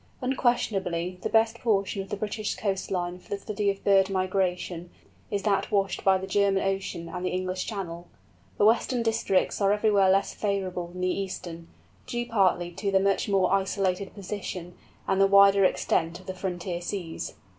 Unquestionably the best portion of the British coast line for the study of bird migration is that washed by the German Ocean and the English Channel. The western districts are everywhere less favourable than the eastern, due partly to their much more isolated position, and the wider extent of the frontier seas.